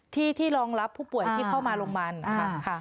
ที่รองรับผู้ป่วยที่เข้ามาโรงพยาบาล